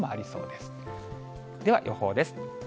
では予報です。